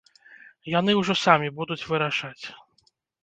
Яны ўжо самі будуць вырашаць.